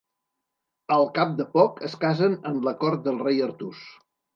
Al cap de poc es casen en la cort del Rei Artús.